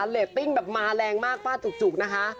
เรตติ้งแบบมาแรงมากฟาดจุกนะคะ